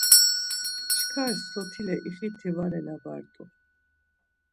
Çkar sotile ixiti var elabart̆u.